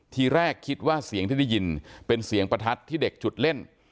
ทีแรกคิดว่าเสียงที่ได้ยินเป็นเสียงประทัดที่เด็กจุดเล่น